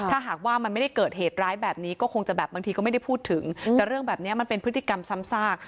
ถ้าหากว่ามันไม่ได้เกิดเหตุร้ายแบบนี้ก็คงจะแบบบางทีก็ไม่ได้พูดถึงแต่เรื่องแบบนี้มันเป็นพฤติกรรมซ้ำซาก